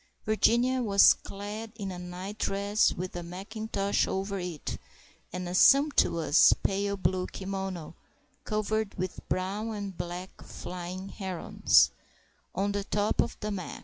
Virginia was clad in a nightdress, with a mackintosh over it and a sumptuous pale blue kimono (covered with brown and black flying herons) on the top of the mac.